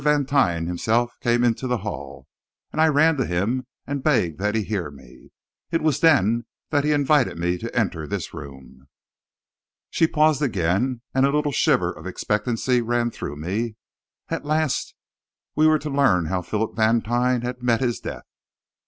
Vantine himself came into the hall, and I ran to him and begged that he hear me. It was then that he invited me to enter this room." She paused again, and a little shiver of expectancy ran through me. At last we were to learn how Philip Vantine had met his death!